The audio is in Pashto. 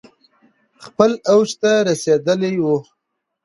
خپل اوج ته رسیدلي ؤ